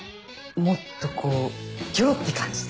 もっとこうギョロって感じで。